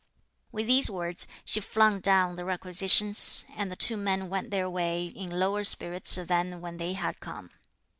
With these words, she flung down the requisitions, and the two men went their way in lower spirits than when they had come.